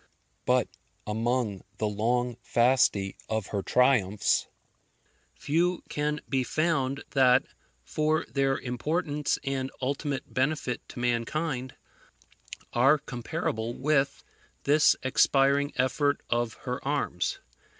But among the long Fasti of her triumphs, few can be found that, for their importance and ultimate benefit to mankind, are comparable with this expiring effort of her arms.